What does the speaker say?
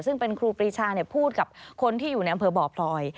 ซึ่งเป็นครูปรีชาพูดกับคนที่อยู่ในอำเภอบ่อพลอย